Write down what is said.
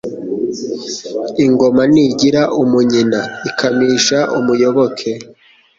Ingoma ntigira umunyina , ikamisha umuyoboke :